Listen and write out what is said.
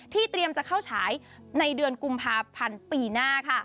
เตรียมจะเข้าฉายในเดือนกุมภาพันธ์ปีหน้าค่ะ